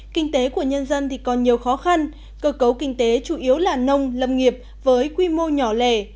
kinh tế của nhân dân còn nhiều khó khăn cơ cấu kinh tế chủ yếu là nông lâm nghiệp với quy mô nhỏ lẻ